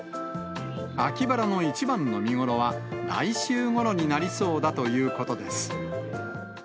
秋バラの一番の見頃は、来週ごろになりそうだということです。